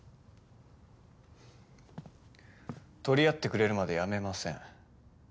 取り合ってくれるまでやめません